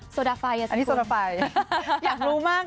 โซดาไฟร์สิคุณอันนี้โซดาไฟร์อยากรู้มาก